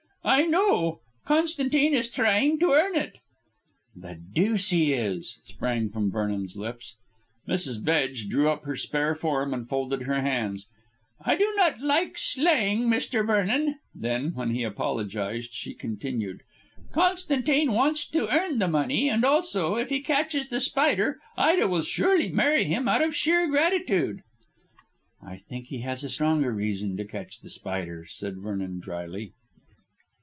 "I know. Constantine is trying to earn it." "The deuce he is?" sprang from Vernon's lips. Mrs. Bedge drew up her spare form and folded her hands. "I do not like slang, Mr. Vernon." Then, when he apologised, she continued: "Constantine wants to earn the money, and also, if he catches The Spider, Ida will surely marry him out of sheer gratitude." "I think he has a stronger reason to catch The Spider," said Vernon drily.